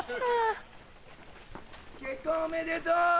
・結婚おめでとう！